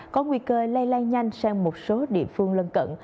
có nguy cơ lây lan nhanh sang một số địa phương lân cận